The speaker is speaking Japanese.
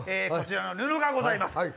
こちらに布がございます